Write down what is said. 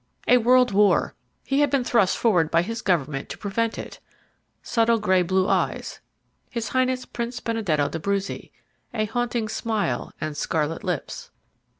A world war he had been thrust forward by his government to prevent it subtle blue gray eyes his Highness, Prince Benedetto d'Abruzzi a haunting smile and scarlet lips.